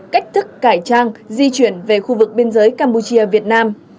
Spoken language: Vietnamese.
cách thức cải trang di chuyển về khu vực biên giới campuchia việt nam